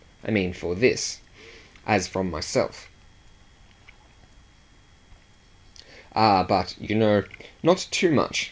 I mean for THIS as from myself." "Ah but, you know, not too much!"